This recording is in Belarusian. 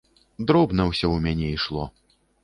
Дробна ўсё ў мяне ішло.